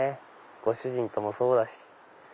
ご主人ともそうだし。